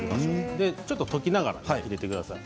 ちょっと溶きながら入れてください。